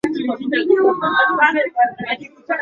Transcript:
amepewa taratibu zake za namna ya kufanya kazi